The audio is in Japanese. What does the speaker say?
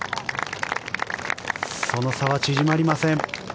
その差は縮まりません。